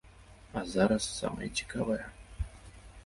А зараз самае цікавае!